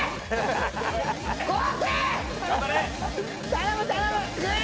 頼む頼む！